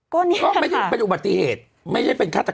ก็ไม่ใช่เป็นอุบัติเหตุไม่ใช่เป็นฆาตกรรม